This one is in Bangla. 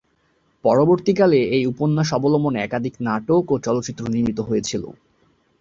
পরবর্তীকালে এই উপন্যাস অবলম্বনে একাধিক নাটক ও চলচ্চিত্র নির্মিত হয়েছিল।